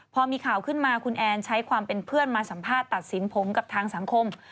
พอมีข่าวขึ้นมาคุณแอนใช้ความเป็นเพื่อนมาสัมภาษณ์ตัดสินผมกับทางสังคม